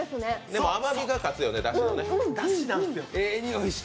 でも甘みが勝つよね、だしのね。